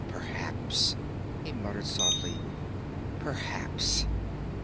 "Perhaps," he murmured softly, "perhaps!"